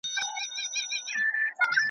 د ادب په تقریباً هره ساحه کي .